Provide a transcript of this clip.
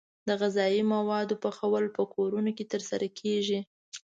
د غذايي موادو پخول په کورونو کې ترسره کیږي.